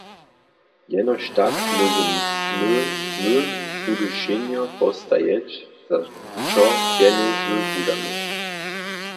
Jenož tak móžemy my Budyšenjo postajeć, za čo pjenjezy wudamy.